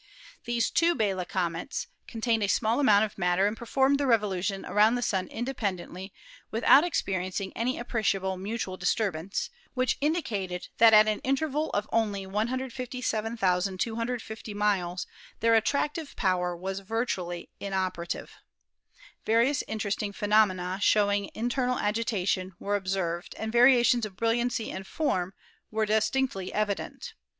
These two Biela comets contained a small amount of matter and performed their revolutions around the Sun independently 238 ASTRONOMY without experiencing any appreciable mutual disturbance, which indicated that at an interval of only 157,250 miles their attractive power was virtually inoperative. Various interesting phenomena showing internal agitation were observed and variations of brilliancy and form were dis tinctly evident.